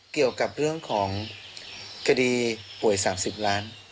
เกี่ยวกับเรื่องของคดีป่วย๓๐ล้าน